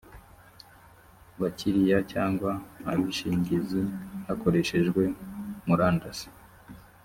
bakiliya cyangwa abishingizi hakoreshejwe murandasi